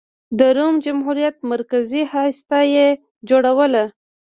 د روم جمهوریت مرکزي هسته یې جوړوله.